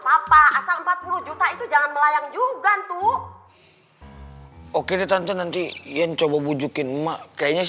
apa asal empat puluh juta itu jangan melayang juga tuh oke ditentu nanti yang coba bujukin kayaknya